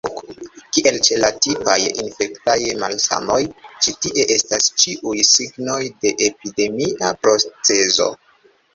Kiel ĉe la tipaj infektaj malsanoj, ĉi tie estas ĉiuj signoj de epidemia procezo.